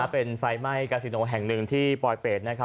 เป็นไฟไหม้กาซิโนแห่งหนึ่งที่ปลอยเป็ดนะครับ